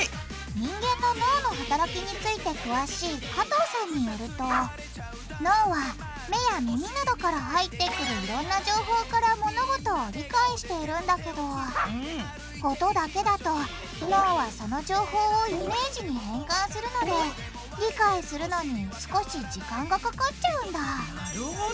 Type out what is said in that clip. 人間の脳の働きについて詳しい加藤さんによると脳は目や耳などから入ってくるいろんな情報から物事を理解しているんだけど音だけだと脳はその情報をイメージに変換するので理解するのに少し時間がかかっちゃうんだなるほど！